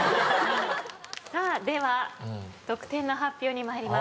さあでは得点の発表に参ります。